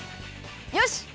よし！